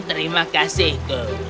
ini terima kasihku